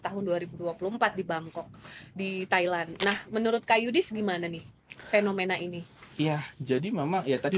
tahun dua ribu dua puluh empat di bangkok di thailand nah menurut kak yudis gimana nih fenomena ini ya jadi memang ya tadi